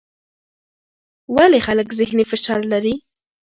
ولې خلک ذهني فشار لري؟